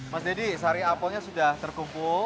mas deddy sari apple nya sudah terkumpul